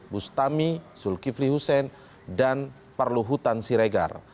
bustami zulkifli hussein dan perluhutan siregar